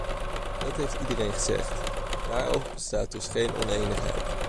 Dat heeft iedereen gezegd, daarover bestaat dus geen onenigheid.